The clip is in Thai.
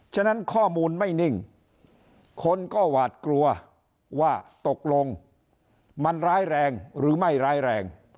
ฉะนั้นข้อมูลไม่นิ่งคนก็หวาดกลัวว่าตกลงมันร้ายแรงหรือไม่ร้ายแรง